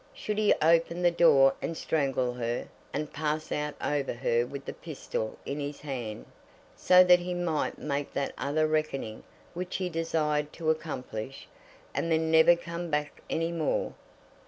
Should he open the door and strangle her, and pass out over her with the pistol in his hand, so that he might make that other reckoning which he desired to accomplish, and then never come back any more?